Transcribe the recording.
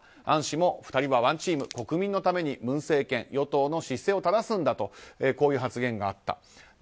アン氏も、２人はワンチーム国民のために文政権、与党の失政を正すんだと発言があった。